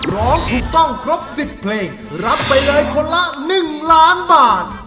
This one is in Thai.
ร้องถูกต้องครบ๑๐เพลงรับไปเลยคนละ๑ล้านบาท